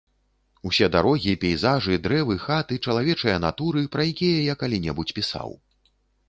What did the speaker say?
Усе дарогі, пейзажы, дрэвы, хаты, чалавечыя натуры, пра якія я калі-небудзь пісаў.